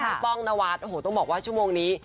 พี่ป้องนวัสตร์ต้องบอกว่าชั่วโมงนี้